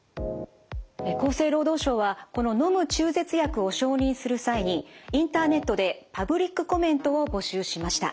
厚生労働省はこの「のむ中絶薬」を承認する際にインターネットでパブリックコメントを募集しました。